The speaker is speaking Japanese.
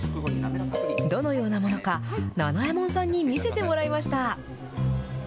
どのようなものか、ななえもんさんに見せてもらいました。